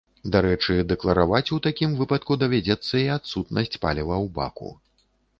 Дарэчы, дэклараваць у такім выпадку давядзецца і адсутнасць паліва ў баку.